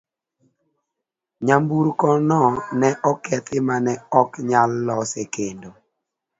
Nyamburko no ne okethi ma ne ok nyal lose kendo.